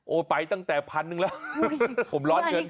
ไปตั้งแต่พันหนึ่งแล้วผมร้อนเงิน